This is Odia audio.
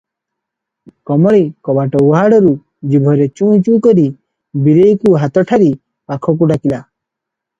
କମଳୀ କବାଟ ଉହାଡ଼ରୁ ଜିଭରେ ଚୁଁ- ଚୁଁ କରି ବୀରେଇକୁହାତ ଠାରି ପାଖକୁ ଡାକିଲା ।